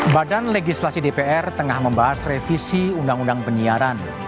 badan legislasi dpr tengah membahas revisi undang undang penyiaran